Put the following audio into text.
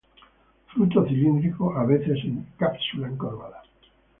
Fruto cilíndrico, a veces en cápsula encorvada.